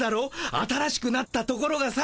新しくなったところがさ。